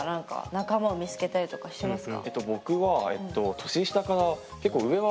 仲間を見つけたりとかしてますか？